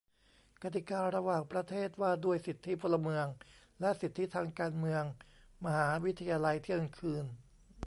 กติการะหว่างประเทศว่าด้วยสิทธิพลเมืองและสิทธิทางการเมือง มหาวิทยาลัยเที่ยงคืน